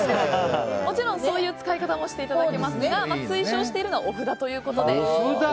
もちろんそういう使い方もしていただけますが推奨しているのはお札ということで。